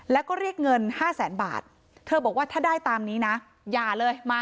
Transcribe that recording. แล้วก็เรียกเงิน๕แสนบาทเธอบอกว่าถ้าได้ตามนี้นะอย่าเลยมา